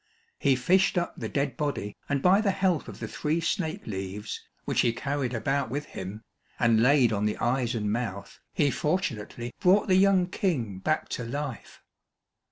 He fished up the dead body, and by the help of the three snake leaves which he carried about with him, and laid on the eyes and mouth, he fortunately brought the young King back to life.